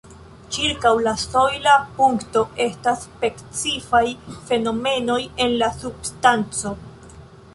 Ĉirkaŭ la sojla punkto estas specifaj fenomenoj en la substanco.